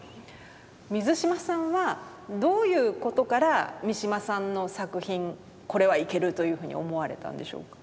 水嶋さんはどういうことから三島さんの作品これはいけるというふうに思われたんでしょうか？